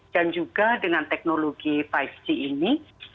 dan juga dengan teknologi lima g ini